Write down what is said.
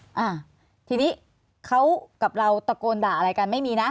อ่าทีนี้เขากับเราตะโกนด่าอะไรกันไม่มีนะ